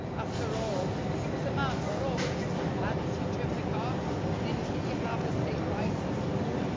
After all, he was a man, or almost. Hadn't he driven a car? Didn't he have a state license?